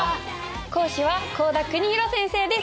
講師は幸田国広先生です。